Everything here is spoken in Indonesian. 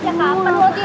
sejak kapan mungkin